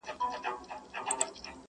o چي نه لري هلک، هغه کور د اور لايق٫